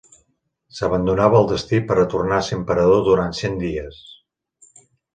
S'abandonava al destí per a tornar a ser emperador durant cent dies.